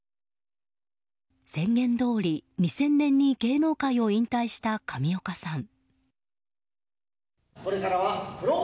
宣言どおり２０００年に芸能界を引退した上岡さん。